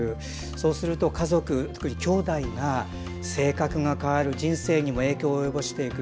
そうすると家族特にきょうだいが性格が変わる人生にも影響を及ぼしていく。